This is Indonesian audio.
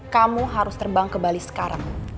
kamu harus terbang ke bali sekarang